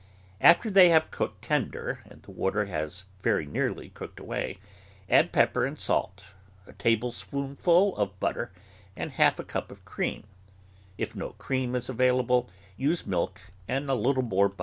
After they have cooked tender and the water has verj^ nearly cooked away, add pepper and salt, a tablespoonf ul of butter, and half a cup of cream ; if no cream is available, use milk and a little more butter.